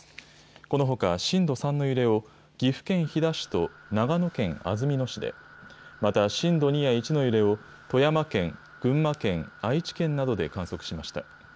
このほか、震度３の揺れを岐阜県飛騨市と長野県安曇野市で、また震度２や１の揺れを、富山県、群馬県、愛知県などで観測しました。